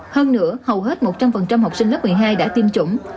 hơn nữa hầu hết một trăm linh học sinh lớp một mươi hai đã tiêm chủng